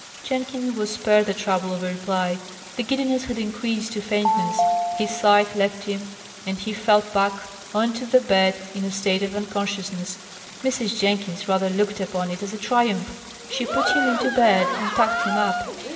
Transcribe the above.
Jenkins was spared the trouble of a reply. The giddiness had increased to faintness, his sight left him, and he fell back on to the bed in a state of unconsciousness. Mrs. Jenkins rather looked upon it as a triumph. She put him into bed, and tucked him up.